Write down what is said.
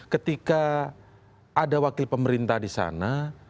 ketika ada wakil pemerintah di sana